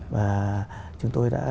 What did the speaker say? và chúng tôi đã